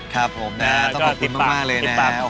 ก็ติดปาก